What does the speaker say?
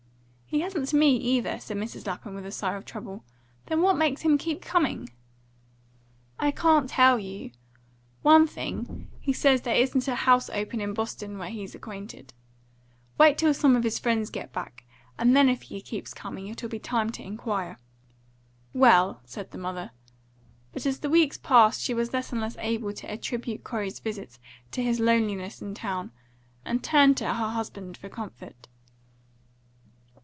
"He hasn't to me, either," said Mrs. Lapham, with a sigh of trouble. "Then what makes him keep coming?" "I can't tell you. One thing, he says there isn't a house open in Boston where he's acquainted. Wait till some of his friends get back, and then if he keeps coming, it'll be time to inquire." "Well!" said the mother; but as the weeks passed she was less and less able to attribute Corey's visits to his loneliness in town, and turned to her husband for comfort.